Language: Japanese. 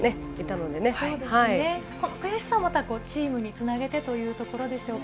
この悔しさがまたチームにつなげてというところでしょうか。